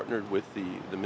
năm thứ hai